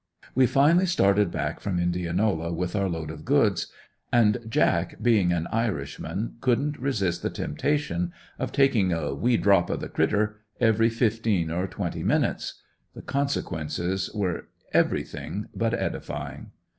We finally started back from Indianola with our load of goods; and Jack being an irishman, couldn't resist the temptation of taking a "wee drop of the critter" every fifteen or twenty minutes. The consequences were everything but edifying.